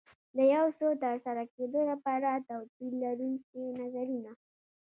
د یو څه ترسره کېدو لپاره توپير لرونکي نظرونه.